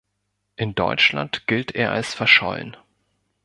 In Deutschland gilt er als verschollen.